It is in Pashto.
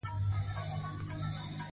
د پانګوالۍ بلاک ملاتړ له ځانه ولري.